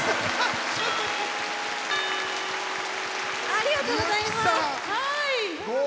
ありがとうございます。